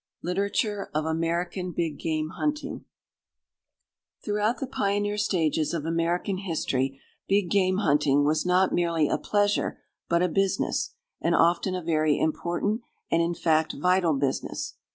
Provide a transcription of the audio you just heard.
_ Literature of American Big Game Hunting Throughout the pioneer stages of American history, big game hunting was not merely a pleasure, but a business, and often a very important and in fact vital business.